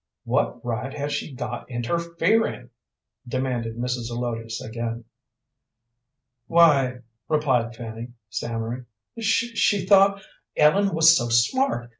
"What right has she got interfering?" demanded Mrs. Zelotes again. "Why," replied Fanny, stammering, "she thought Ellen was so smart.